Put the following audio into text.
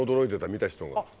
見た人が。